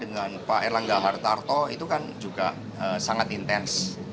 dengan pak erlangga hartarto itu kan juga sangat intens